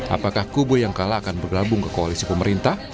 apakah kubu yang kalah akan bergabung ke koalisi pemerintah